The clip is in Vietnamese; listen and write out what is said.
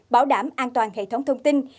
bảo đảm an toàn hệ thống thông tin